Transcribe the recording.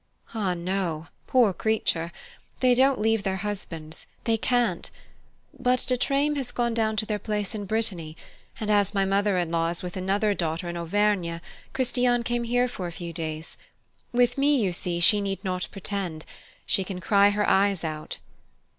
"Ah, no, poor creature: they don't leave their husbands they can't. But de Treymes has gone down to their place in Brittany, and as my mother in law is with another daughter in Auvergne, Christiane came here for a few days. With me, you see, she need not pretend she can cry her eyes out."